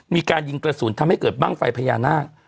มีการยิงกระสุนทำให้เกิดบ้างไฟพญานาค